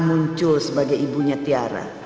muncul sebagai ibunya tiara